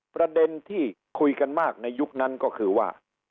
ประเด็นที่คุยกันมากในยุคนั้นก็คือว่า